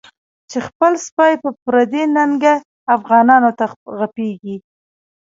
چی خپل سپی په پردی ننګه، افغانانو ته غپیږی